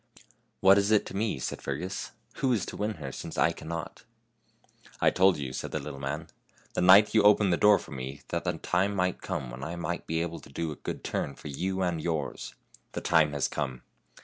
" What is it to me," said Fergus, " who is to win her since I cannot? "" I told you, 1 ' said the little man, " the night you opened the door for me, that the time might come when I might be able to do a good turn for you and yours. The time has come.